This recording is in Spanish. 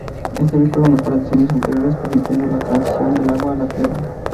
Este vehículo mejora diseños anteriores, permitiendo la transición del agua a la tierra.